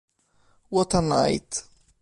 What A Night".